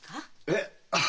えっ？